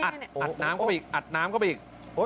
อัดน้ำเข้าไปอีกอัดน้ำเข้าไปอีก